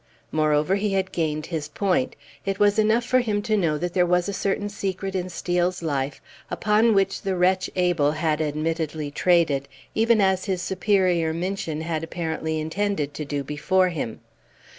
Moreover, he had gained his point. It was enough for him to know that there was a certain secret in Steel's life, upon which the wretch Abel had admittedly traded, even as his superior Minchin had apparently intended to do before him.